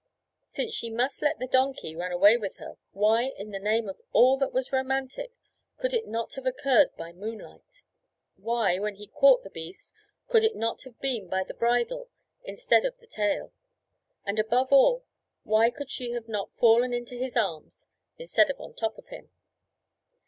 Since she must let the donkey run away with her, why, in the name of all that was romantic, could it not have occurred by moonlight? Why, when he caught the beast, could it not have been by the bridle instead of the tail? And above all, why could she not have fallen into his arms, instead of on top of him?